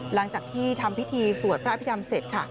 หลังจากที่ทำพิธีสวดพระอภิษฐรรมเสร็จค่ะ